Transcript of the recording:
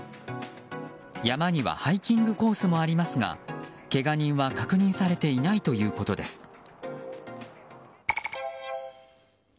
山にはハイキングコースもありますがけが人は確認されていないということです。